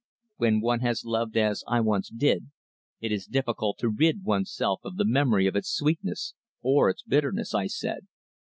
"When one has loved as I once did, it is difficult to rid oneself of the memory of its sweetness or its bitterness," I said.